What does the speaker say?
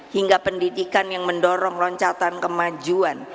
hingga pendidikan yang mendorong loncatan kemajuan